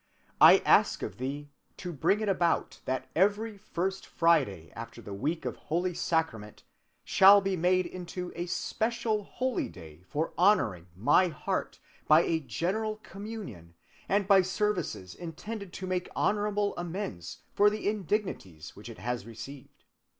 "I ask of thee to bring it about that every first Friday after the week of holy Sacrament shall be made into a special holy day for honoring my Heart by a general communion and by services intended to make honorable amends for the indignities which it has received.